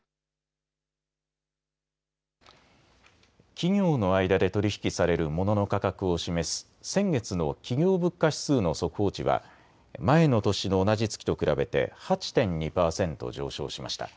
企業の間で取り引きされるモノの価格を示す先月の企業物価指数の速報値は前の年の同じ月と比べて８．２％上昇しました。